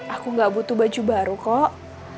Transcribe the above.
aku gak butuh baju baru kok